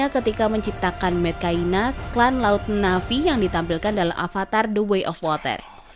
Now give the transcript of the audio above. ketika menciptakan medcaina klan laut nafi yang ditampilkan dalam avatar the way of water